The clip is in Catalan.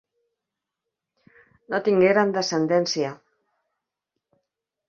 No tingueren descendència.